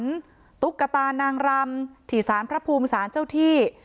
เหมือนตุ๊กกะตานางรำถี่ศาลพระภูมิศาลเจ้าที่